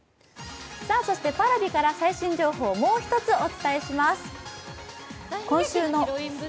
Ｐａｒａｖｉから最新情報、もう一つお伝えします。